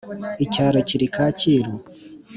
Icyicaro kiri kacyiru